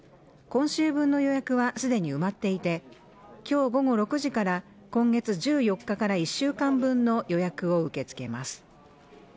今週分の予約はすでに埋まっていて今日午後６時から今月１４日から１週間分の予約を受け付けます